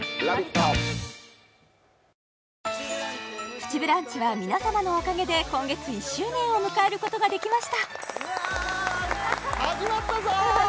「プチブランチ」は皆さまのおかげで今月１周年を迎えることができました始まったぞ！